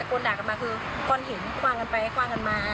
กลับตากลับตา